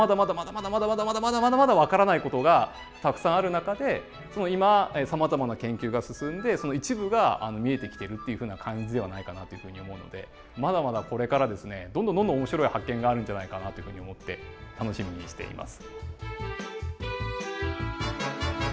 まだまだまだまだまだまだわからない事がたくさんある中で今さまざまな研究が進んでその一部が見えてきてるっていうふうな感じではないかなというふうに思うのでまだまだこれからですねどんどんどんどん面白い発見があるんじゃないかなっていうふうに思って楽しみにしています。